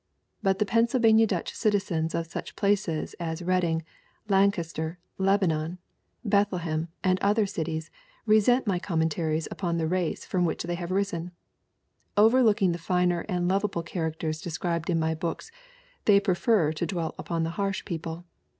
But the Pennsylvania Dutch citi zens of such places as Reading, Lancaster, Lebanon, Bethlehem and other cities resent my commentaries upon the race from which they have risen. Overlook ing the finer and lovable characters described in my books, they prefer to dwell upon the harsh people.